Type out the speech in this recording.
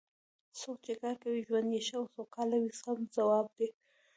څوک چې کار کوي ژوند یې ښه او سوکاله وي سم ځواب دی.